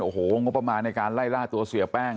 โอ้โหงบประมาณในการไล่ล่าตัวเสียแป้ง